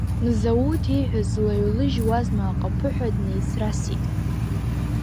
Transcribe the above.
Мзауҭ ииҳәаз лаҩлыжьуазма, аҟаԥыҳәа днеицрасит.